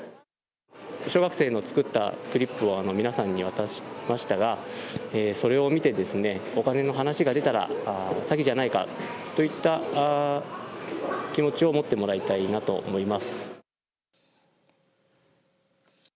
小学生の作ったクリップを皆さんに渡しましたがそれを見てですねお金の話が出たら詐欺じゃないか、といった気持ちを持ってもらいたいなと思います。